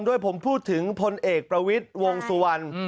โดยผมพูดถึงพลเอกประวิทย์วงสุวรรณ